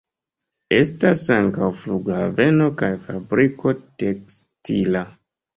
Estas ankaŭ flughaveno kaj fabriko tekstila.